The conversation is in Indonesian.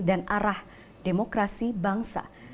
dan arah demokrasi bangsa